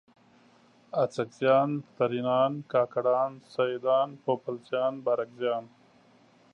اڅکزیان، ترینان، کاکړان، سیدان ، پوپلزیان، بارکزیان